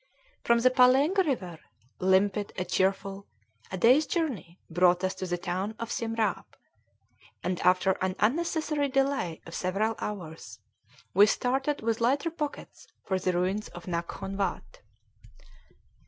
From the Paleng River, limpid and cheerful, a day's journey brought us to the town of Siemrâp; and, after an unnecessary delay of several hours, we started with lighter pockets for the ruins of Naghkon Watt.